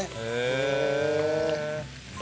へえ。